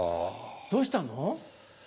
どうしたの？